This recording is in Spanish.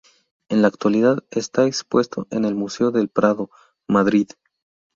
En la actualidad, está expuesto en el Museo del Prado, Madrid.